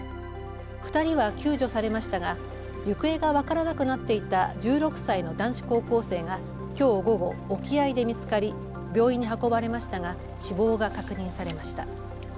２人は救助されましたが行方が分からなくなっていた１６歳の男子高校生がきょう午後、沖合で見つかり病院に運ばれましたが死亡が確認されました。